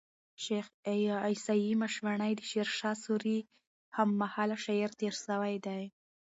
شېخ عیسي مشواڼى د شېرشاه سوري هم مهاله شاعر تېر سوی دئ.